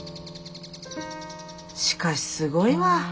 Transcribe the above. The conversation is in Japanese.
しかしすごいわ。